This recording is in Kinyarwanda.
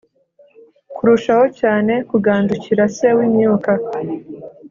kurushaho cyane kugandukira Se w imyuka